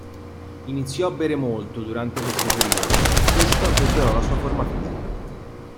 Iniziò a bere molto durante questo periodo, e questo peggiorò la sua forma fisica.